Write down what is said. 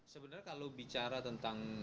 sebenarnya kalau bicara tentang